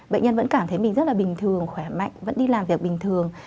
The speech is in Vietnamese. bệnh nhân vẫn cảm thấy mình rất là bình thường khỏe mạnh vẫn đi làm việc bình thường